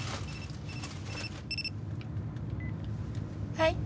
・はい。